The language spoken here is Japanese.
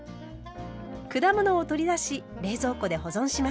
果物を取り出し冷蔵庫で保存します。